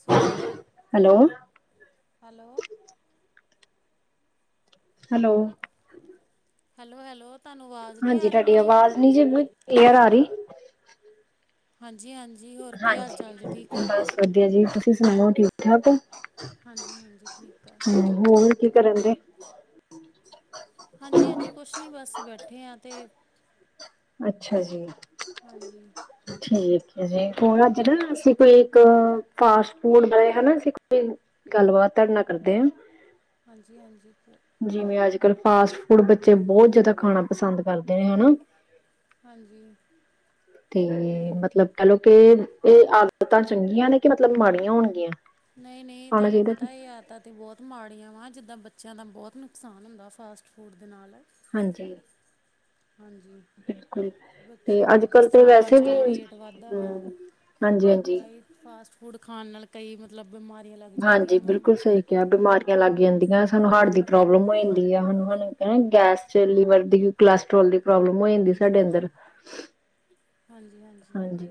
ਸ੍ਰੀਕਾਲ ਜੀ hello hello? Hello hello hello? ਤੁਹਾਨੂੰ ਆਵਾਜ਼ ਨਹੀਂ ਹਾਂਜੀ ਆ ਰਹੀ ਤਾਡੀ ਮੇਰੀ ਆਵਾਜ਼ ਨੀ ਜੇ ਕਲੀਅਰ ਆ ਰੀ। ਹਾਂਜੀ, ਹਾਂਜੀ ਹੋਰ ਕੀ ਹਾਲ ਹਾਂਜੀ ਚਾਲ ਜੇ ਠੀਕ ਓ? ਬਸ ਵਧੀਆ ਜੀ, ਤੁਸੀ ਸੁਣਾਓ ਠੀਕ ਠਾਕ। ਹਾਂਜੀ, ਹਾਂਜੀ ਠੀਕ ਆ। ਹਮ ਹੋਰ ਕੀ ਕਰਨ ਡੇ? ਹਾਂਜੀ, ਹਾਂਜੀ ਕੋਸ਼ ਨੀ ਬੱਸ ਬੈਠੇ ਆਂ ਤੇ ਅੱਛਾ ਜੀ ਠੀਕ ਹੈ ਜੀ, ਹਣ ਅੱਜ ਨਾ ਅਸੀ ਕੋਈ ਇੱਕ ਫਾਸਟ ਫੂਡ ਦੇ ਹਣਾ ਅਸੀ ਕੋਈ ਗੱਲਬਾਤ ਤਾਡੇ ਨਾ ਕਰਦੇ ਆਂ ਹਾਂਜੀ, ਹਾਂਜੀ ਜਿਵੇਂ ਅੱਜ ਕੱਲ੍ਹ ਫਾਸਟ ਫੂਡ ਬੱਚੇ ਬੌਤ ਜ਼ਿਆਦਾ ਖਾਣਾ ਪਸੰਦ ਕਰਦੇ ਨੇ ਹਨਾ। ਹਾਂਜੀ ਤੇ ਮਤਲਬ ਕੈਅ ਲੋ ਕੇ ਏ ਆਦਤਾਂ ਚੰਗੀਆਂ ਨੇ ਕਿ ਮਤਲਬ ਮਾੜੀਆਂ ਹੋਣਗੀਆਂ। ਨਹੀ, ਨਹੀ ਖਾਣਾ ਤਾਨੂੰ ਚਾਹੀਦਾ ਕਿ ਪਤਾ ਏ ਯਾਰ ਤਾਂ ਤੇ ਬੌਤ ਮਾੜੀਆਂ ਵਾ ਜਿੱਦਾਂ ਬੱਚਿਆਂ ਦਾ ਬੌਤ ਨੁੱਕਸਾਨ ਹੁੰਦਾ ਫਾਸਟ ਫੂੰਡ ਦੇ ਨਾਲ ਹਾਂਜੀ ਹਾਂਜੀ ਬਿਲਕੁੱਲ ਤੇ ਬੱਚਿਆਂ ਦੇ ਜਿਸ ਅੱਜਕਲ ਤੇ ਤਰ੍ਹਾਂ ਵੈਸੇ ਅੱਜ ਵੀ ਕੱਲ੍ਹ ਹੁੰ ਵੇਟ ਵੱਧਦਾ ਵਾ ਹਾਂਜੀ, ਹਾਂਜੀ। ਕਈ ਫਾਸਟ ਫੂਡ ਖਾਣ ਨਾਲ ਕਈ ਮਤਲਬ ਬਿਮਾਰੀ ਹਾਂਜੀ, ਬਿਲਕੁੱਲ ਸਈ। ਕੇਆ ਬਿਮਾਰੀਆਂ ਲੱਗ ਜਾਂਦੀਆਂ ਸਾਨੂੰ ਹਾਰਟ ਦੀ ਪ੍ਰੋਬਲਮ ਹੋ ਜਾਂਦੀ ਐ ਹੁਨ ਹੁਣ ਗੈਸ ਚ ਲੀਵਰ ਦੀ ਵੀ ਕੋਲੈਸਟਰੋਲ ਦੀ ਪ੍ਰੋਬਲਮ ਹੋ ਜਾਂਦੀ ਸਾਡੇ ਅੰਦਰ ਹਾਂਜੀ-ਹਾਂਜੀ ਹਾਂਜੀ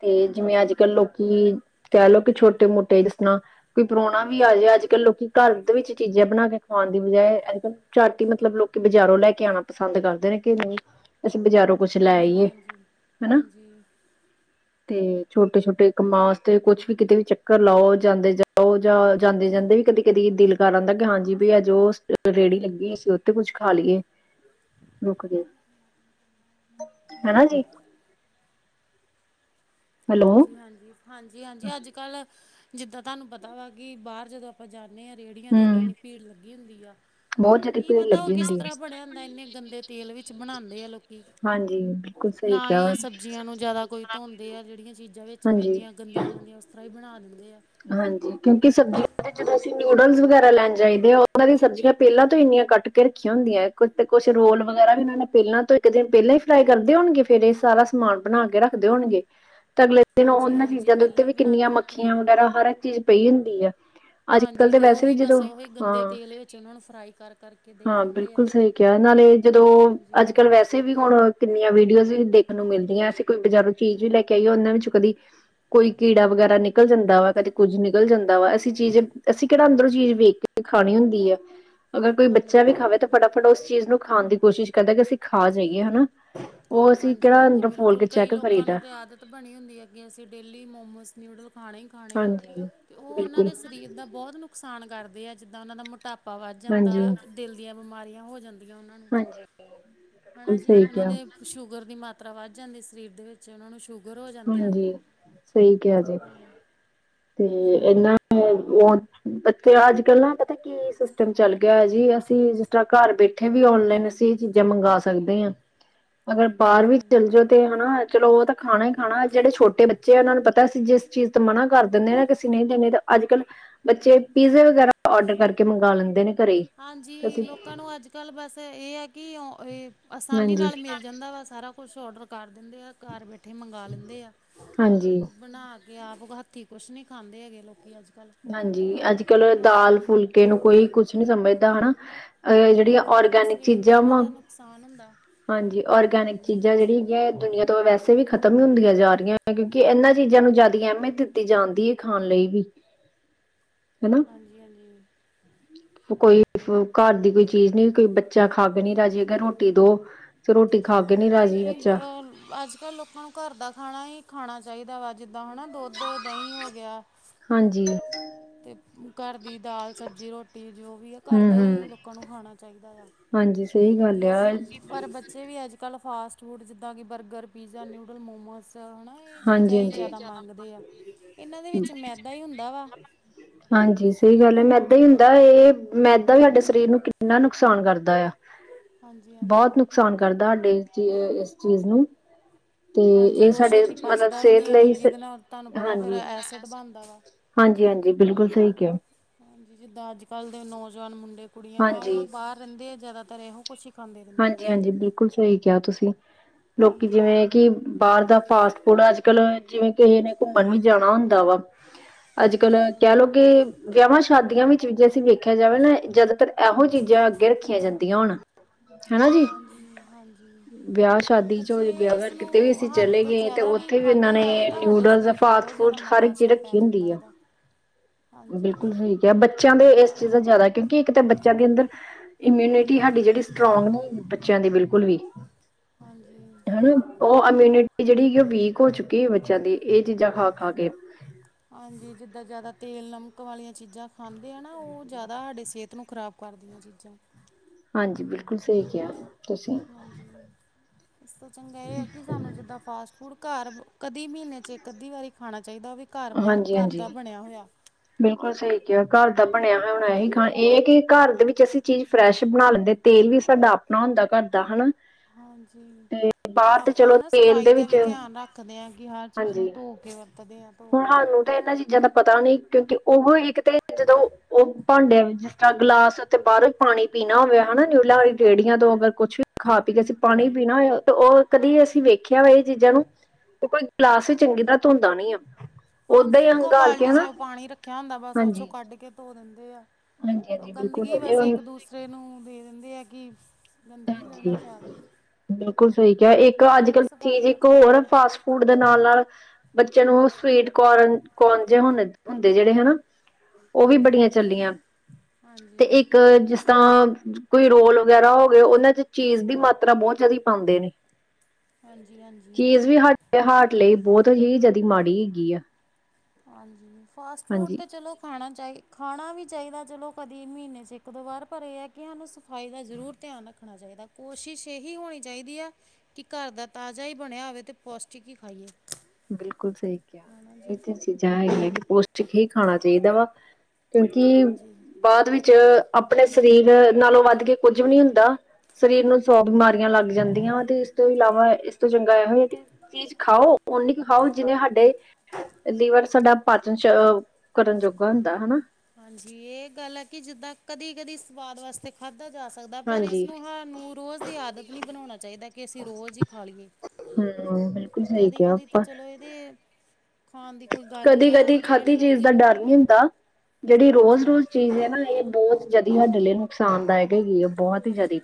ਤੇ ਜਿਵੇਂ ਅੱਜ ਕੱਲ੍ਹ ਲੋਕੀ ਕਹਿ ਲੋ ਕਿ ਛੋਟੇ ਮੋਟੇ ਜਿਸਣਾ ਕੋਈ ਪਰਾਉਣਾ ਵੀ ਆ ਜਾਏ ਅੱਜ ਕੱਲ੍ਹ ਲੋਕੀ ਘਰ ਦੇ ਵਿੱਚ ਚੀਜ਼ਾਂ ਬਣਾ ਕੇ ਖਾਣ ਦੀ ਬਜਾਏ ਅੱਜ ਕੱਲ੍ਹ ਝੱਟ ਈ ਮਤਲਬ ਲੋਕੀ ਬਜ਼ਾਰੋਂ ਲੈ ਕੇ ਆਉਣਾ ਪਸੰਦ ਕਰਦੇ ਨੇ ਕਿ ਨਈ ਅਸੀਂ ਬਜ਼ਾਰੋਂ ਹਾਂਜੀ-ਹਾਂਜੀ-ਹਾਂਜੀ ਤੇ ਛੋਟੇ-ਛੋਟੇ ਕੰਮਾਂ ਵਾਸਤੇ ਕੁਛ ਵੀ ਕਿਤੇ ਵੀ ਚੱਕਰ ਲਾਓ ਜਾਂਦੇ ਜਾਂ ਓ ਜਾਂ ਜਾਂਦੇ-ਜਾਂਦੇ ਵੀ ਕਦੇ ਕਦੀ ਦਿਲ ਕਰ ਆਂਦਾ ਕਿ ਹਾਂਜੀ ਵੀ ਅੱਜ ਓ ਰੇਹੜੀ ਲੱਗੀ ਅਸੀਂ ਉੱਥੇ ਕੁੱਝ ਖਾ ਲਈਏ। ਦੁੱਖਦੇ ਹਨਾ ਜੀ। ਹੈਲੋ ਹੂੰ ਹਾਂਜੀ-ਹਾਂਜੀ-ਹਾਂਜੀ-ਹਾਂਜੀ ਅੱਜ ਕੱਲ ਜਿੱਦਾਂ ਤੁਹਾਨੂੰ ਪਤਾ ਵਾ ਕਿ ਬਾਰ ਜਦੋਂ ਆਪਾਂ ਜਾਂਣੇ ਆਂ ਰੇੜੀਆਂ ਤੇ ਇੰਨੀ-ਇੰਨੀ ਭੀੜ ਲੱਗੀ ਹੁੰਦੀ ਆ। ਬਹੁਤ ਜਿਆਦਾ ਕੀ ਭੀੜ ਪਤਾ ਓ ਲੱਗੀ ਕਿਸ ਹੁੰਦੀ ਹੈ। ਤਰ੍ਹਾਂ ਬਣਿਆ ਹੁੰਦਾ ਇੰਨੇ ਗੰਦੇ ਤੇਲ ਵਿੱਚ ਬਣਾਉਂਦੇ ਆ ਲੋਕੀ ਹਾਂਜੀ ਬਿਲਕੁਲ ਸਈ ਕਿਆ। ਜ਼ੀਆਂ ਨੂੰ ਜ਼ਿਆਦਾ ਕੋਈ ਧੋਂਦੇ ਆ ਜੇੜੀਆਂ ਚੀਜ਼ਾਂ ਵਿੱਚ ਹਾਂਜੀ ਪੈਂਦੀਆਂ ਗੰਦੀਆਂ ਮੰਦੀਆਂ ਉਸ ਤਰ੍ਹਾਂ ਹੀ ਬਣਾ ਦਿੰਦੇ ਆ। ਹਾਂਜੀ ਕਿਉਂਕਿ ਸਬਜ਼ੀਆਂ ਦੇ ਜਦੋਂ ਅਸੀਂ ਨੂਡਲਜ਼ ਵਗੈਰਾ ਲੈਣ ਜਾਈਦੇ ਆ ਉਹਨਾਂ ਦੀ ਸਬਜ਼ੀਆਂ ਪੈਲਾਂ ਤੋਂ ਇੰਨੀਆਂ ਕੱਟ ਰੱਖੀਆਂ ਹੁੰਦੀਆਂ ਕੁ ਕੁੱਛ ਰੋਲ ਵਗੈਰਾ ਵੀ ਇਹਨਾਂ ਨੇ ਪੈਲਾਂ ਤੋਂ ਇੱਕ ਦਿਨ ਪੈਲਾਂ ਹੀ ਫਰਾਈ ਕਰਦੇ ਹੋਣਗੇ ਫਿਰ ਇਹ ਸਾਰਾ ਸਮਾਨ ਬਣਾ ਕੇ ਰੱਖਦੇ ਹੋਣਗੇ ਤੇ ਅਗਲੇ ਦਿਨ ਹਾਂਜੀ ਉਹਨਾਂ ਹਾਂਜੀ ਚੀਜ਼ਾਂ ਦੇ ਉੱਤੇ ਪਹਿਲਾਂ ਹੀ ਵੀ ਬਣਾ ਕੇ ਕਿੰਨੀਆਂ ਰੱਖਦੇ ਮੱਖੀਆਂ ਆ ਵਗੈਰਾ ਹਰ ਇੱਕ ਚੀਜ਼ ਪਈ ਹੁੰਦੀ ਆ। ਅੱਜ ਕੱਲ ਹਾਂਜੀ ਤਾਂ ਤੇ ਵੈਸੇ ਵੀ ਉਹੀ ਜਦੋਂ ਬਸ ਉਹੀ ਗੰਦੇ ਤੇਲ ਵਿੱਚ ਉਹਨਾਂ ਨੂੰ ਫਰਾਈ ਕਰ ਕਰਕੇ ਦੇਈ ਹਾਂ-ਹਾਂ ਜਾਂਦੇ ਆ ਬਿਲਕੁਲ ਸਈ ਕਿਆ ਨਾਲੇ ਜਦੋਂ ਅੱਜ ਹਾਂਜੀ ਕੱਲ੍ਹ ਵੈਸੇ ਅਸੀਂ ਵੀ ਹੁਣ ਕਿੰਨੀਆਂ ਵੀਡੀਓਜ਼ ਵੀ ਦੇਖਣ ਨੂੰ ਮਿਲਦੀਆਂ ਅਸੀਂ ਕੋਈ ਬਜ਼ਾਰੋਂ ਚੀਜ਼ ਵੀ ਲੈ ਕੇ ਆਈਏ ਉਹਨਾਂ ਵਿੱਚ ਕਦੀ ਕੋਈ ਕੀੜਾ ਵਗੈਰਾ ਨਿਕਲ ਜਾਂਦਾ ਵਾ। ਕਦੇ ਕੁਝ ਨਿਕਲ ਜਾਂਦਾ ਵਾ ਅਸੀਂ ਚੀਜ਼ ਅਸੀਂ ਕਿਹੜਾ ਅੰਦਰੋਂ ਚੀਜ਼ ਵੇਖ ਕੇ ਖਾਣੀ ਹੁੰਦੀ ਆ। ਅਗਰ ਕੋਈ ਬੱਚਾ ਹਾਂਜੀ ਵੀ ਖਾਵੇ ਤਾਂ ਹਾਂਜੀ ਫਟਾਫਟ ਉਸ ਚੀਜ਼ ਨੂੰ ਖਾਣ ਦੀ ਕੋਸ਼ਿਸ਼ ਕਰਦਾ ਕਿ ਅਸੀਂ ਖਾ ਜਾਈਏ ਹਨਾ। ਓ ਅਸੀਂ ਹਾਂਜੀ ਕੇੜਾ ਹਾਂਜੀ ਅੰਦਰੋਂ ਫੋਲ ਬਿਲਕੁਲ ਕੇ ਕਈ ਚੈੱਕ ਲੋਕਾਂ ਕਰੀਦਾ। ਨੂੰ ਤਾਂ ਆਦਤ ਬਣੀ ਹੁੰਦੀ ਹੈ ਕਿ ਅਸੀਂ ਡੇਲੀ ਮੋਮੋਸ ਨਿਊਡਲ ਖਾਣੇ ਖਾਣੇ ਆ ਹਾਂਜੀ ਤੇ ਓ ਉਹਨਾਂ ਬਿਲਕੁਲ ਦੇ ਸਰੀਰ ਦਾ ਬਹੁਤ ਨੁਕਸਾਨ ਕਰਦੇ ਆ ਜਿੱਦਾਂ ਉਹਨਾਂ ਦਾ ਮੋ ਟਾਪਾ ਵੱਧ ਜਾਂਦਾ ਹਾਂਜੀ ਦਿਲ ਦੀਆਂ ਬਿਮਾਰੀਆਂ ਹੋ ਜਾਂਦ ਹਾਂਜੀ ਬਿਲਕੁਲ ਹਨਾ ਜੀ ਸਹੀ ਉਹਨਾਂ ਕਿਹਾ ਦੇ ਸ਼ੂਗਰ ਦੀ ਮਾਤਰਾ ਵੱਧ ਜਾਂਦੀ ਸਰੀਰ ਦੇ ਵਿੱਚ ਉਹਨਾਂ ਨੂੰ ਸ਼ੂਗ ਹਾਂਜੀ ਸਈ ਕਿਆ ਜੀ ਹਾਂ ਤੇ ਹਾਂਜੀ ਇਹਨਾਂ ਨੇ ਓ ਬੱਚੇ ਅੱਜ ਕੱਲ ਨਾ ਪਤਾ ਕੀ ਸਿਸਟਮ ਚੱਲ ਗਿਆ ਜੀ ਅਸੀਂ ਜਿਸ ਤਰ੍ਹਾਂ ਘਰ ਬੈਠੇ ਉੱਥੇ ਵੀ ਔਨਲਾਈਨ ਅਸੀਂ ਇਹ ਚੀਜ਼ਾਂ ਮੰਗਾ ਸਕਦੇ ਹਾਂ। ਅਗਰ ਬਾਹਰ ਹਾਂਜੀ ਵੀ ਹਾਂਜੀ ਚੱਲ ਜਾਓ ਤੇ ਹਨਾ ਚਲੋ ਓ ਤੇ ਖਾਣਾ ਈ ਹਨਾ ਜੇੜੇ ਛੋਟੇ ਬੱਚੇ ਆ ਉਹਨਾ ਨੂੰ ਪਤਾ ਅਸੀਂ ਜਿਸ ਚੀਜ਼ ਤੇ ਮਨਾ ਕਰ ਦਿੰਦੇ ਨਾ ਕਿਸੇ ਨਈ ਦੇਣੇ ਤਾਂ ਅੱਜ ਕੱਲ੍ਹ ਬੱਚੇ ਪੀਜ਼ੇ ਵਗੈਰਾ ਔਡਰ ਕਰਕੇ ਮੰਗਾ ਲੈਂਦੇ ਨੇ। ਘਰੇ ਹੀ ਤੇ ਹਾਂਜੀ ਅਸੀਂ ਲੋਕਾਂ ਨੂੰ ਅੱਜ ਕੱਲ੍ਹ ਬਸ ਇਹ ਆ ਕਿ ਆਸਾਨੀ ਹਾਂਜੀ ਨਾਲ ਮਿਲ ਜਾਂਦਾ ਵਾ ਸਾਰਾ ਕੁਛ ਔਡਰ ਕਰ ਦਿੰਦੇ ਆ ਘਰ ਬੈਠੇ ਮੰਗਵਾ ਲੈਂਦੇ ਆ ਹਾਂਜੀ ਬਣਾ ਆਪ ਹੱਥੀ ਕੁਛ ਨੀ ਖਾਂਦੇ ਹੈਗੇ ਲੋਕ ਕੀ ਅੱਜ ਕੱਲ੍ਹ ਹਾਂਜੀ ਅੱਜ ਕੱਲ ਪਰ ਦਾਲ ਫੁਲਕੇ ਨੂੰ ਕੋਈ ਕੁਛ ਨੀ ਸਮਝਦਾ ਹਨਾ। ਐ ਜੇੜੀਆਂ ਹਾਂਜੀ ਆਪਣੇ ਔਰਗੈਨਿਕ ਸਰੀਰ ਦਾ ਚੀਜ਼ਾਂ ਇਹਨਾਂ ਵਾਂ ਦਾ ਨੁਕਸਾਨ ਹੁੰਦਾ ਹਾਂਜੀ ਔਰਗੈਨਿਕ ਚੀਜ਼ਾਂ ਜਿਹੜੀ ਹੈਗੀਆਂ ਦੁਨੀਆਂ ਤੋਂ ਵੈਸੇ ਵੀ ਖਤਮ ਹੁੰਦੀਆਂ ਜਾ ਰਈਆਂ। ਕਿਉਂਕਿ ਇਹਨਾਂ ਚੀਜ਼ਾਂ ਨੂੰ ਜਾਦਾ ਅਹਿਮੀਅਤ ਦਿੱਤੀ ਜਾਂਦੀ ਹੈ ਖਾਣ ਲਈ ਵੀ ਹਨਾ ਹਾਂਜੀ-ਹਾਂਜੀ ਕੋਈ ਘਰ ਦੀ ਕੋਈ ਚੀਜ਼ ਨੀ ਕੋਈ ਬੱਚਾ ਖਾਕੇ ਨੀ ਰਾਜੀ ਹੈਗਾ ਰੋਟੀ ਦੋ। ਫੇਰ ਰੋਟੀ ਖਾ ਕੇ ਨਹੀਂ ਰਾਜੀ ਨਈ-ਨਈ ਬੱਚਾ ਅੱਜਕੱਲ੍ਹ ਲੋਕਾਂ ਨੂੰ ਘਰ ਦਾ ਖਾਣਾ ਹੀ ਖਾਣਾ ਚਾਈਦਾ ਵਾ ਜਿੱਦਾਂ ਹੈਨਾ ਦੁੱਧ, ਦਹੀਂ ਹੋ ਗਿਆ। ਹਾਂਜੀ। ਅਤੇ ਘਰ ਦੀ ਦਾਲ ਸਬਜ਼ੀ ਰੋਟੀ ਜੋ ਵੀ ਆ ਘਰ ਹੂੰ ਦਾ ਹੂੰ ਹੀ ਲੋਕਾਂ ਨੂੰ ਖਾਣਾ ਚਾਹੀਦਾ ਆ। ਹਾਂਜੀ, ਸਈ ਗੱਲ ਆ। ਲੋਕੀ ਪਰ ਬੱਚੇ ਵੀ ਅੱਜਕੱਲ੍ਹ ਫਾਸਟ ਫੂਡ ਜਿੱਦਾਂ ਕਿ ਬਰਗਰ ਪੀਜ਼ਾ ਨਿਊਡਲ ਮੋਮੋਸ ਹੈ ਨਾ। ਏ ਚੀਜ਼ਾਂ ਹਾਂਜੀ ਹੀ ਹਾਂਜੀ ਜ਼ਿਆਦਾ ਮੰਗਦੇ ਆ ਏਨਾਂ ਦੇ ਵਿੱਚ ਮੈਦਾ ਹੀ ਹੁੰਦਾ ਵਾ ਹਾਂਜੀ, ਸਹੀ ਗੱਲ ਹੈ ਮੈਦਾ ਹੀ ਹੁੰਦਾ ਇਹ ਮੈਦਾ ਵੀ ਸਾਡੇ ਸਰੀਰ ਨੂੰ ਕਿੰਨਾ ਨੁਕਸਾਨ ਕਰਦਾ ਆ। ਹਾਂਜੀ ਬੋਤ ਹਾਂਜੀ ਨੁਕਸਾਨ ਕਰਦਾ ਸਾਡੇ ਚ ਇਸ ਚੀਜ਼ ਨੂੰ। ਤੇ ਹਾਂਜੀ ਏ ਉਹ ਸਾਡੇ ਛੇਤੀ ਮਤਲਬ ਪਚਦਾ ਵੀ ਸਿਹਤ ਨਹੀਂ ਹੈ ਫਿਰ ਲਈ ਜਿਹਦੇ ਨਾਲ ਤੁਹਾਨੂੰ ਪਤਾ ਫਿਰ ਹਾਂਜੀ। ਐਸਿਡ ਬਣਦਾ ਵਾ ਹਾਂਜੀ, ਹਾਂਜੀ ਬਿਲਕੁਲ ਸਹੀ ਕਿਹਾ। ਜਿੱਦਾਂ ਅੱਜਕੱਲ੍ਹ ਦੇ ਨੌਜਵਾਨ ਮੁੰਡੇ ਕੁੜੀਆਂ ਵਾ ਹਾਂਜੀ ਓਬਾਰ ਰਹਿੰਦੇ ਆ ਜ਼ਿਆਦਾਤਰ ਇਹੋ ਕੁਛ ਖਾਂਦੇ ਰਹਿੰਦੇ ਆ ਹਾਂਜੀ, ਹਾਂਜੀ ਬਿਲਕੁਲ ਸਹੀ ਕਿਹਾ ਤੁਸੀਂ ਲੋਕੀ ਹਾਂਜੀ ਜਿਵੇਂ ਕਿ ਬਾਰ ਦਾ ਫਾਸਟ ਫੂਡ ਅੱਜਕਲ ਜਿਵੇਂ ਕਿਸੇ ਨੇ ਘੁੰਮਣ ਵੀ ਜਾਣਾ ਹੁੰਦਾ ਵਾ। ਅੱਜਕੱਲ ਕੈ ਹਾਂਜੀ ਲੋ ਕੇ। ਵਿਆਹਾਂ ਸ਼ਾਦੀਆਂ ਵਿੱਚ ਜੇ ਅਸੀਂ ਵੇਖਿਆ ਜਾਵੇ ਨਾ ਜ਼ਿਆਦਾਤਰ ਇਹੋ ਚੀਜ਼ਾਂ ਅੱਗੇ ਰੱਖੀਆਂ ਜਾਂਦੀਆਂ ਹੋਣ। ਹਾਂਜੀ-ਹਾਂਜੀ। ਵਿਆਹ ਸ਼ਾਦੀ ਚ ਹੋ ਜੇ ਗਿਆ ਅਗਰ ਏਸਨੂੰ ਕਿਤੇ ਵੀ ਅਸੀਂ ਹੱਦ ਚਲੇ ਤੋਂ ਗਏ ਤੇ ਜਿਆਦਾ ਵੀ ਉੱਥੇ ਇਹਨਾਂ ਖਾਧਾ ਨੇ ਜਾਵੇ ਤਾਂ ਸਾਡੇ ਨਿਊਡਲਸ ਸਰੀਰ ਤੇ ਫਾਸਟ ਬੋਤ ਜ਼ਿਆਦਾ ਫੂਡ ਹਰ ਮਾੜਾ ਇੱਕ ਚੀਜ਼ ਅਸਰ ਪੈ ਰੱਖੀ ਜਾਂਦਾ ਹੁੰਦੀ ਆ। ਏਦਾ, ਹਾਂਜੀ। ਬੱਚੇਆਂ ਦੇ ਏਸ ਚੀਜ਼ ਦਾ ਜ਼ਿਆਦਾ ਕਿਉਂਕਿ ਇੱਕ ਤਾਂ ਬੱਚੇਆਂ ਦੇ ਅੰਦਰ ਇਮਿਊਨਿਟੀ ਸਾਡੀ ਜੇੜੀ ਸਟਰੋਂਗ ਨੇ ਬੱਚੇਆਂ ਦੀ ਬਿਲਕੁਲ ਵੀ। ਹਾਂਜੀ। ਓ ਇਮਿਊਨਿਟੀ ਜੇੜੀ ਓ ਵੀਕ ਹੋ ਚੁੱਕੀ ਹੈ ਬੱਚੇਆਂ ਦੀ ਇਹ ਚੀਜ਼ਾਂ ਖਾ-ਖਾ ਕੇ ਹਾਂਜੀ, ਜਿੱਦਾਂ ਜ਼ਿਆਦਾ ਤੇਲ ਨਮਕ ਵਾਲੀਆਂ ਚੀਜ਼ਾਂ ਖਾਂਦੇ ਆ ਨਾ ਓ ਜ਼ਿਆਦਾ ਸਾਡੇ ਸਿਹਤ ਨੂੰ ਖ਼ਰਾਬ ਘਰਦੀਆਂ ਚੀਜ਼ਾਂ। ਹਾਂਜੀ, ਬਿਲਕੁਲ ਸਈ ਕਿਆ। ਹਾਂਜੀ, ਏਸ ਤੋਂ ਚੰਗਾ ਏ ਹੈ ਕਿ ਸਾਨੂੰ ਜਿੱਦਾਂ ਫਾਸਟ ਫੂਡ ਘਰ ਕਦੀ ਮਹੀਨੇ ਚ ਇੱਕ ਅੱਧੀ ਵਾਰੀ ਖਾਣਾ ਚਾਹੀਦਾ ਓ ਵੀ ਹਾਂਜੀ ਘਰ ਹਾਂਜੀ ਦਾ ਬਣਿਆ ਹੋਇਆ। ਬਿਲਕੁਲ ਸਹੀ ਕਿਹਾ ਘਰ ਦਾ ਬਣਿਆ ਹੋਇਆ ਹੁਣ ਇਹੀ ਖਾਣਾ ਇਹ ਹੈ ਕਿ ਘਰ ਦੇ ਵਿੱਚ ਅਸੀਂ ਚੀਜ਼ ਫਰੈਸ਼ ਬਣਾ ਲੈਂਦੇ। ਤੇਲ ਵੀ ਸਾਡਾ ਆਪਣਾ ਹੁੰਦਾ ਘਰਦਾ ਹਨਾ। ਹਾਂਜੀ। ਤੇ ਤੇ ਬਾਹਰ ਆਪਾਂ ਚਲੋ ਹਨਾ ਤੇਲ ਸਫ਼ਾਈ ਦੇ ਦਾ ਵਿੱਚ ਵੀ ਧਿਆਨ ਰੱਖਦੇ ਹਾਂ ਕੇ ਆ ਚੀਜ਼ ਨੂੰ ਹਾਂਜੀ ਧੋ ਕੇ ਵਰਤਦੇ ਹਾਂ। ਧੋ ਹੁਣ ਕੇ ਸਾਨੂੰ ਤਾਂ ਇਹਨਾਂ ਚੀਜ਼ਾਂ ਦਾ ਪਤਾ ਨੀ ਕਿਉਂਕਿ ਉਹੋ ਇੱਕ ਤੇ ਜਦੋਂ ਓ ਭਾਂਡਿਆਂ ਵਿੱਚ ਐਕਸਟਰਾ ਗਲਾਸ ਅਤੇ ਬਾਰੋਂ ਪਾਣੀ ਪੀਣਾ ਹੋਵੇ ਹਨਾ ਨਿਊਡਲਾ ਵਾਲੀ ਰੇੜੀਆਂ ਤੋਂ ਅਗਰ ਕੁੱਛ ਵੀ ਖਾ ਪੀ ਕੇ ਅਸੀਂ ਪਾਣੀ ਪੀਣਾ ਹੋਏ ਤੇ ਓ ਕਦੀ ਅਸੀਂ ਵੇਖਿਆ ਵਾ ਏ ਚੀਜ਼ਾਂ ਨੂੰ ਤੇ ਕੋਈ ਗਲਾਸ ਹੀ ਚੰਗੀ ਤਰ੍ਹਾਂ ਧੋਂਦਾ ਨੀ ਆ। ਓਦਾਂ ਹਾਂਜੀ, ਹੀ ਇੱਕੋ ਹੰਘਾਲ ਕੇ ਬਾਲਟੀ ਹਨਾ ਚਦੋਂ ਪਾਣੀ ਰੱਖੇਆ ਹੁੰਦਾ ਬਸ ਓ ਚੋ ਹਾਂਜੀ ਕੱਢ ਕੇ ਧੋ ਦਿੰਦੇ ਆ। ਹਾਂਜੀ ਹਾਂਜੀ ਬਿਲਕੁਲ ਓਗੰਦਗੀ ਬਸ ਹਾਂਜੀ ਇੱਕ ਦੂਸਰੇ ਨੂੰ ਦੇ ਦਿੰਦੇ ਆ ਕਿ ਗੰਦਗੀ ਕਦੇ ਨਾ ਫੈਲਦੀ। ਬਿਲਕੁਲ ਸਈ ਕਿਹਾ ਇੱਕ ਕੋਈ ਅੱਜਕੱਲ ਸਫਾਈ ਚੀਜ਼ ਦਾ ਇੱਕ ਕੰਮ ਹੋਰ ਨਹੀਂ। ਫਾਸਟ ਫੂਡ ਦੇ ਨਾਲ-ਨਾਲ ਬੱਚੇਆ ਨੂੰ ਸਵੀਟ ਕੋਰਨ ਕੋਨ ਜੇ ਹੁੰਦੇ ਜੇੜੇ ਹੈਨਾ। ਓ ਵੀ ਹਾਂਜੀ ਬੜੀਆਂ ਚੱਲੀਆਂ ਤੇ ਹਾਂਜੀ ਇੱਕ ਜਿਸ ਤਾਂ ਕੋਈ ਰੋਲ ਵਗੈਰਾ ਉਹਨਾਂ ਚ ਚੀਜ਼ ਦੀ ਮਾਤਰਾ ਬੋਤ ਜ਼ਿਆਦੀ ਪਾਉਂਦੇ ਨੇ ਹਾਂਜੀ ਹਾਂਜੀ ਚੀਜ਼ ਵੀ ਸਾਡ ਤੇ ਹਾਰਟ ਲਈ ਬੋਤ ਹੀ ਜਿਆਦੀ ਮਾੜੀ ਹੈਗੀ ਆ। ਹਾਂਜੀ ਫਾਸਟ ਫੂਡ ਹਾਂਜੀ ਤੇ ਚਲੋ ਖਾਣਾ ਚਾਹੀ, ਖਾਣਾ ਵੀ ਚਾਹੀਦਾ ਚਲੋ ਕਦੀ ਮਹੀਨੇ 'ਚ ਏਕ-ਦੋ ਵਾਰ ਪਰ ਇਹ ਐ ਕਿ ਸਾਨੂੰ ਸਫਾਈ ਦਾ ਜ਼ਰੂਰ ਧਿਆਨ ਰੱਖ ਰੱਖਣਾ ਚਾਹੀਦਾ, ਕੋਸ਼ਿਸ਼ ਏਹੀ ਹੋਣੀ ਚਾਹੀਦੀ ਆ ਕੀ ਘਰ ਦਾ ਤਾਜ਼ਾ ਹੀ ਬਣਿਆ ਹੋਵੇ ਤੇ ਪੌਸ਼ਟਿਕ ਹੀ ਖਾਈਏ। ਬਿਲਕੁਲ ਸਹੀ ਕਿਹਾ ਹੈ ਨਾ ਏਹ ਜੀ ਤੇ ਚੀਜ਼ਾਂ ਹੈਗੀਆ ਪੋਸ਼ਟਿਕ ਹੀ ਖਾਣਾ ਚਾਹੀਦਾ ਵਾ ਕਿਉਂਕਿ ਹਾਂਜੀ ਬਾਅਦ ਵਿੱਚ ਆਪਣੇ ਸਰੀਰ ਨਾਲੋਂ ਵੱਧ ਕੇ ਕੁੱਝ ਵੀ ਨੀ ਹੁੰਦਾ। ਸਰੀਰ ਨੂੰ ਸੌ ਬਿਮਾਰੀਆਂ ਲੱਗ ਜਾਂਦੀਆਂ ਤੇ ਏਸ ਤੋਂ ਇਲਾਵਾ ਏਸ ਤੋਂ ਚੰਗਾ ਇਹੋ ਹੀ ਆ ਕਿ ਚੀਜ਼ ਖਾਓ ਓਨੀ ਹੀ ਖਾਓ ਜਿਨੇ ਹਾਡੇ ਲੀਵਰ, ਸਾਡਾ ਪਾਚਨ ਚ ਅ ਕਰਨ ਜੋਗਾ ਹੁੰਦਾ ਹਨਾ। ਹਾਂਜੀ, ਇਹ ਗੱਲ ਏ ਕਿ ਜਿੱਦਾਂ ਕਦੀ-ਕਦੀ ਸਵਾਦ ਵਾਸਤੇ ਖਾਧਾ ਜਾ ਸਕਦਾ ਪਰ ਇਸ ਹਾਂਜੀ ਨੂੰ ਸਾਨੂੰ ਰੋਜ਼ ਦੀ ਆਦਤ ਨਈ ਬਣਾਉਣਾ ਚਾਹੀਦਾ ਕਿ ਅਸੀਂ ਰੋਜ਼ ਹੀ ਖਾ ਲਈਏ ਹਮਮ ਬਿਲਕੁਲ ਸਹੀ ਕਿਹਾ ਕਦੀ-ਕਦੀ ਤੇ ਚਲੋ ਏਦੇ ਕਦੀ-ਕਦੀ ਖਾਦੀ ਚੀਜ਼ ਦਾ ਡਰ ਨੀ ਹੁੰਦਾ। ਜੇੜੀ ਹਾਂਜੀ ਰੋਜ਼-ਰੋਜ਼ ਚੀਜ਼ ਏ ਨਾ ਇਹ ਬੋਤ ਜਆਦੀ ਸਾਡੇ ਲਈ ਨੁਕਸਾਨਦਾਇਕ ਹੈਗੀ ਆ। ਬਹੁਤ ਹੀ ਹ ਜਿਆਦਾ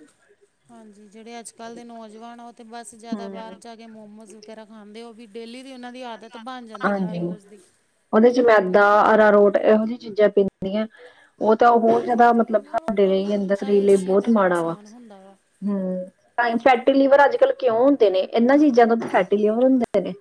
ਹਾਂਜੀ, ਜੇੜੇ ਅੱਜ-ਕੱਲ੍ਹ ਦੇ ਨੌਜਵਾਨ ਆ ਉਹ ਤੇ ਬਸ ਜਾਦਾ ਹਮ ਬਾਰ ਜਾ ਮੋਮੋਸ ਵਗੈਰਾ ਖਾਂਦੇ ਹੋ ਵੀ ਡੇਲੀ ਦੀ ਓਨਾਂ ਦੀ ਆਦਤ ਬਣ ਜਾਂਦੀ ਹਰ ਰੋਜ਼ ਦੀ ਓਦੇ ਚ ਅਤੇ ਮੈਦਾ, ਉਹ ਅਰਾਰੋਟ, ਏਹੋ ਜਿਹੀਆਂ ਚੀਜ਼ਾਂ ਪੈਂਦੀਆਂ। ਓਹ ਤਾਂ ਹੋਰ ਹਾਂਜੀ ਜਾਦਾ ਅਤੇ ਮਤਲਬ ਉਹਨਾਂ ਨੂੰ ਸਾਡੇ ਫਿਰ ਲਈ ਤੁਹਾਨੂੰ ਅੰਦਰ ਪਤਾ ਸਰੀਰ ਲਈ ਇਸ ਚੀਜ਼ ਬੋਤ ਦਾ ਮਾੜਾ ਵਾ। ਨੁਕਸਾਨ ਹੁੰਦਾ ਵਾ ਹਮਮ, ਤਾਂ ਫੈਟੀ ਲਿਵਰ ਅੱਜ-ਕੱਲ ਕਿਉਂ ਹੁੰਦੇ ਨੇ ਏਨਾਂ ਚੀਜ਼ਾਂ ਤੋਂ ਤਾਂ ਫੈਟੀ ਲਿਵਰ ਹੁੰਦੇ ਨੇ।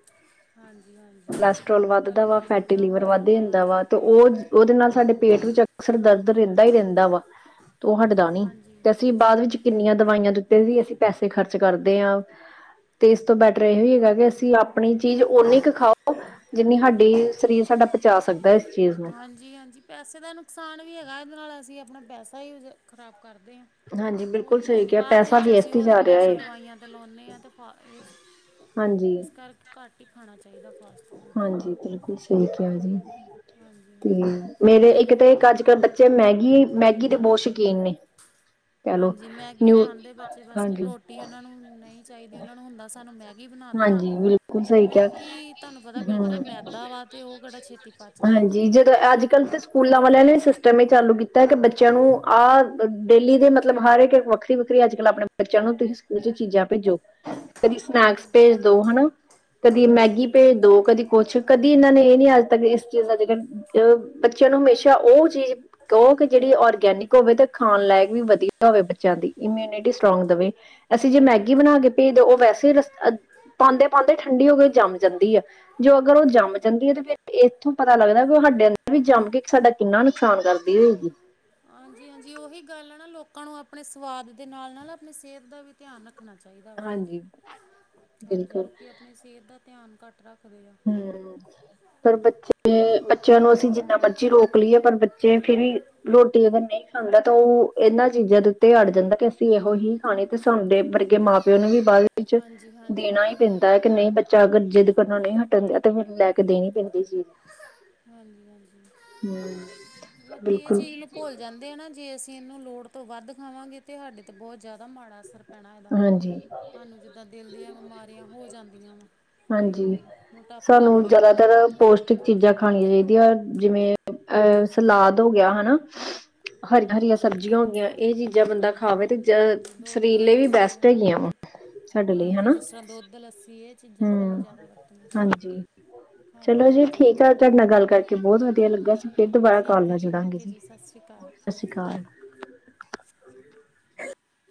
ਹਾਂਜੀ-ਹਾਂਜੀ। ਕੋਲੈਸਟਰ੍ਰੋਲ ਵੱਧਦਾ ਵਾ, ਫੈਟੀ ਲੀਵਰ ਵੱਧ ਜਾਂਦਾ ਵਾ ਤੇ ਓ ਓਦੇ ਨਾਲ ਸਾਡੇ ਪੇਟ ਵਿੱਚ ਅਕਸਰ ਦਰਦ ਰੇਨਦਾ ਹੀ ਰੇਨਦਾ ਵਾ ਤੇ ਉਹ ਹਟਦਾ ਨੀ ਹਾਂਜੀ ਤੇ ਅਸੀਂ ਬਾਦ ਵਿੱਚ ਕਿੰਨੀਆਂ ਦਵਾਈਆਂ ਦੇ ਉੱਤੇ ਵੀ, ਅਸੀਂ ਪੈਸੇ ਖਰਚ ਕਰਦੇ ਹਾਂ। ਤੇ ਏਸ ਤੋਂ ਬੈਟਰ ਏਹੋ ਹੀ ਹੈਗਾ ਕਿ ਅਸੀਂ ਆਪਣੀ ਚੀਜ਼ ਓਨੀ ਕੁ ਖਾਓ ਜਿੰਨੀ ਹਾਡੀ ਸਰੀਰ ਸਾਡਾ ਪਚਾ ਸਕਦਾ ਐ। ਹਾਂਜੀ, -ਹਾਂਜੀ। ਪੈਸੇ ਦਾ ਨੁਕਸਾਨ ਵੀ ਹੈਗਾ, ਏਦੇ ਨਾਲ ਅਸੀਂ ਆਪਣਾ ਪੈਸਾ ਹੀ ਖ਼ਰਾਬ ਕਰਦੇ ਹਾਂ। ਹਾਂਜੀ ਬਿਲਕੁਲ ਕੋਈ ਆ ਸਹੀ ਕਿਹਾ ਬਾਦ ਪੈਸਾ ਵਿੱਚ ਅਸੀਂ ਵੇਸਟ ਹੀ ਓਹੀ ਜਾ ਰਿਹਾ ਪੈਸਾ ਏ ਦਵਾਈਆਂ ਤੇ ਲਾਉਂਣੇ ਆ ਤੇ ਫ ਇਹ ਹਾਂਜੀ। ਕਾੱਟ ਹੀ ਖਾਣਾ ਚਾਹੀਦਾ ਫਾਸਟ ਫੂਡ ਹਾਂਜੀ, ਬਿਲਕੁਲ ਸਹੀ ਕਿਹਾ ਜੀ ਤੇ ਹਾਂਜੀ-ਹਾਂਜੀ। ਹਾਂਜੀ ਮੇਰੇ ਏਕ ਤੇ ਏਕ ਅੱਜ-ਕੱਲ੍ਹ ਬੱਚੇ ਮੈਗੀ, ਮੈਗੀ ਦੇ ਬੋਤ ਸ਼ੌਕੀਨ ਨੇ ਕਹਿ ਲਓ ਹਾਂਜੀ, ਮੈਗੀ ਨਿਊ ਖਾਂਦੇ ਬੱਚੇ ਬਸ ਹਾਂਜੀ ਰੋਟੀ ਉਹਨਾਂ ਨੂੰ ਨਈ ਚਾਹੀਦੀ। ਉਹਨਾਂ ਨੂੰ ਹੁੰਦਾ ਸਾਨੂੰ ਮੈਗੀ ਬਣਾ ਦਿਉ। ਹਾਂਜੀ, ਬਿਲਕੁਲ ਤੇ ਸਹੀ ਕਿਹਾ ਮੈਗੀ ਤੁਹਾਨੂੰ ਪਤਾ ਬਿਲਕੁਲ ਮੈਦਾ ਵਾ ਤੇ ਉਹ ਕਿਹੜਾ ਛੇਤੀ ਪਚਦੀ ਆ। ਹਮਮ--ਹਾਂਜੀ, ਜਦੋਂ ਅੱਜ-ਕੱਲ ਤੇ ਸਕੂ ਸਕੂਲਾਂ ਵਾਲਿਆਂ ਨੇ ਸਿਸਟਮ ਇਹ ਚਾਲੂ ਕੀਤਾ ਕਿ ਬੱਚਿਆਂ ਨੂੰ ਆਹ ਡੇਲੀ ਦੇ ਮਤਲਬ ਹਰ ਇੱਕ ਵੱਖ ਵੱਖਰੀ-ਵੱਖਰੀ, ਅੱਜ-ਕੱਲ੍ਹ ਆਪਣੇ ਬੱਚਿਆਂ ਨੂੰ ਤੁਸੀਂ ਸਕੂਲ ਚ ਚੀਜ਼ਾਂ ਭੇਜੋ। ਕਦੀ ਸਨੈਕਸ ਹਾਂਜੀ, ਭੇਜ ਦੋ ਹਨਾ, ਕਦੀ ਮੈਗੀ ਹਾਂਜੀ, ਭੇਜ ਦੋ ਕਦੀ ਕੁਛ, ਕਦੀ ਏਨਾਂ ਨੇ ਏਹ ਨੀ ਅੱਜ-ਤੱਕ ਇਸ ਚੀਜ਼ ਦਾ ਜੇਕ ਅ ਬੱਚਿਆਂ ਨੂੰ ਹਮੇਸ਼ਾ ਓ ਚੀਜ਼ ਦੋ ਕਿ ਜਿਹੜੀ ਔਰਗੈਨਿਕ ਹੋਵੇ ਤਾਂ ਖਾਣ ਲਾਇਕ ਵੀ ਵਧੀਆ ਹੋਵੇ। ਬੱਚਿਆਂ ਦੀ ਇਮਿਊਨਿਟੀ ਸਟਰੋਂਗ ਦੇਵੇ। ਅਸੀਂ ਜੇ ਮੈਗੀ ਬਣਾ ਹਾਂਜੀ। ਕੇ ਭੇਜ ਦਿਓ, ਓ ਵੈਸੇ ਰਸ ਪਾਉਂਦੇ-ਪਾਉਂਦੇ ਠੰਡੀ ਹੋ ਕੇ ਜੰਮ ਜਾਂਦੀ ਆ। ਜੋ ਅਗਰ ਉਹ ਜੰਮ ਜਾਂਦੀ ਐ ਤੇ ਫਰ ਇੱਥੋਂ ਪਤਾ ਲੱਗਦਾ ਵੀ ਸਾਡ ਵਿੱਚ ਜੰਮ ਕੇ, ਸਾਡਾ ਕਿੰਨਾ ਨੁਕਸਾਨ ਕਰਦੀ ਹੋਏਗੀ। ਹਾਂਜੀ-ਹਾਂਜੀ। ਓਹੀ ਗੱਲ ਆ ਨਾ ਲੋਕਾਂ ਨੂੰ ਆਪਣੇ ਸਵਾਦ ਦੇ ਨਾਲ- ਨਾਲ ਆਪਣੀ ਸੇਹਤ ਦਾ ਵੀ ਧਿਆਨ ਰੱਖ ਰੱਖਣਾ ਚਾਹੀਦਾ ਵਾ। ਹਾਂਜੀ ਹਾਂਜੀ, ਬਿਲਕੁਲ ਲੋਕੀ ਆਪਨੀ ਸੇਹਤ ਦਾ ਧਿਆਨ ਘੱਟ ਰੱਖਦੇ ਆ‌। ਹਮਮ ਪਰ ਬੱਚੇ, ਬੱਚੇਆਂ ਨੂੰ ਅਸੀਂ ਜਿੰਨਾ ਮਰਜੀ ਰੋਕ ਲਈਏ ਪਰ ਬੱਚੇ ਫਿਰ ਵੀ ਰੋਟੀ, ਅਗਰ ਨੀ ਖਾਂਦਾ ਤਾਂ ਓ ਇਹਨਾਂ ਚੀਜ਼ਾਂ ਦੇ ਤੇ ਅੜ ਜਾਂਦਾ ਕਿ ਅਸੀਂ ਏਹੋ ਹੀ ਖਾਣੀ ਤੇ ਸਾਡੇ ਵਰਗੇ ਮਾਂ-ਪਿਓ ਨੂੰ ਵੀ ਬਾਅਦ ਵਿੱਚ ਹਾਂਜੀ-ਹਾਂਜੀ। ਬਿਲਕੁਲ ਨਈ, ਬੱਚਾ ਅਗਰ ਜਿੱਦ ਕਰਨੋਂ ਨਈ ਹਟਣ ਦੇਆ ਤੇ, ਫੇਰ ਓਨੂੰ ਲੈ ਕੇ ਦੇਣੀ ਪੈਂਦੀ ਚੀਜ। ਹਾਂਜੀ-ਹਾਂਜੀ। ਲੋਕੀ ਏ ਬਿਲਕੁਲ ਚੀਜ਼ ਨੂੰ ਭੁੱਲ ਕੈਂਦੇ ਆ ਨਾ, ਜੇ ਅਸੀਂ ਏਹਨੂੰ ਲੋੜ ਤੋਂ ਵੱਧ ਖਾਵਾਂਗੇ, ਤੇ ਸਾਡੇ ਤੇ ਬਹੁਤ ਜਾਦਾ ਮਾੜਾ ਅਸਰ ਪੈਣਾ ਇਹਦਾ ਹਾਂਜੀ ਸਾਨੂੰ ਜਿੱਦਾਂ ਦਿਲ ਦੀਆਂ ਬਿਮਾਰੀਆਂ ਹੋ ਜਾਂਦੀਆਂ ਵਾ ਕਈ, ਹਾਂਜੀ ਮੋਟਾਪਾ ਹੋ ਜਾਂਦਾ ਵਾ। ਪੋਸ਼ਟਿਕ ਚੀਜ਼ਾਂ ਖਾਣੀਆਂ ਚਾਈਦੀਆਂ। ਜਿਵੇਂ-ਅਹ ਸਲਾਦ ਹੋ ਗਿਆ ਹਨਾ। ਹਾਂਜੀ ਹਰੀਆਂ-ਹਰੀਆਂ ਸਬਜ਼ੀਆਂ ਹੋ ਗੀਆਂ, ਏਹ ਚੀਜਾਂ ਬੰਦਾ ਖਾਵੇ ਤੇ ਜ ਸਰੀਰ ਲਈ ਵੀ ਸੀ ਆ ਬੈਸਟ ਹੈਗੀਆਂ ਵਾ [unintelligible] ਸਾਡੇ ਲਈ ਹਾਂਜੀ, ਹਨਾ ਜਿਸ ਤਰ੍ਹਾਂ ਦੁੱਧ -ਲੱਸੀ ਏਹ ਚੀਜ਼ਾਂ ਸਾਨੂੰ ਹਮ ਜਾਦਾ ਵਰਤਣੀਆਂ ਚਾਈਦੀਆਂ। ਹਾਂਜੀ ਚਲੋ ਜੀ, ਠੀਕ ਆ, ਤੁਆਡੇ ਨਾਲ ਗੱਲ ਕਰਕੇ ਬੋਤ ਵਧੀਆ ਲੱਗਾ, ਅਸੀ ਫਿਰ ਦੁਬਾਰਾ ਕਾਲ ਠੀਕ ਹੈ ਨਾਲ ਜੀ ਜੁੜਾਂਗੇ। ਓਕੇ, ਜੀ ਸਤ ਸ੍ਰੀ ਕਾਲ। ਸਤ ਸੀ ਕਾਲ।